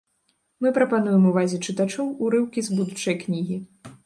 Мы прапануем увазе чытачоў урыўкі з будучай кнігі.